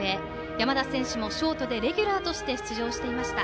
山田選手もショートでレギュラーとして出場していました。